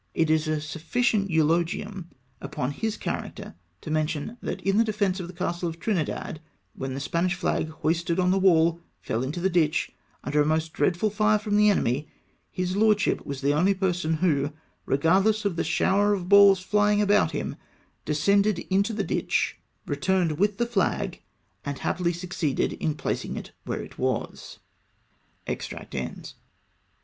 It is a sufficient eulogium upon bis character to mention, that in the defence of the castle of Trinidad, when the Spanish flag, hoisted on the wall, fell into the ditch, under a most dreadful fire from the enemy, his lordship was the only person who, regardless of the shower of balls flying about him, descended into the ditch, returned SIR WALTER SCOTT. 321 with the flag, and happily succeeded in placing it where it was.